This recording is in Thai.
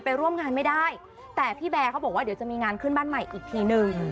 ร่วมงานไม่ได้แต่พี่แบร์เขาบอกว่าเดี๋ยวจะมีงานขึ้นบ้านใหม่อีกทีนึง